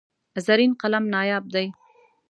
زرین قلم نایاب دی.